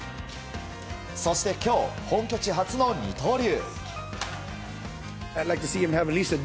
そして今日、本拠地初の二刀流。